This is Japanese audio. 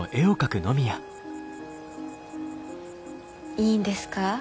いいんですか？